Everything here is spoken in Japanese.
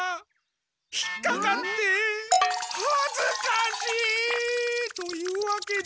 引っかかってはずかしい！というわけで。